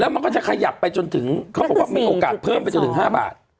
มันก็จะขยับไปจนถึงเขาบอกว่ามีโอกาสเพิ่มไปจนถึง๕บาท